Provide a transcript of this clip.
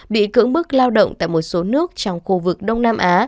bị cưỡng bức lao động tại một số nước trong khu vực đông nam á